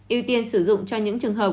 yêu tiên sử dụng cho những trường hợp